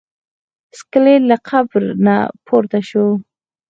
سکلیټ له قبر نه پورته شو.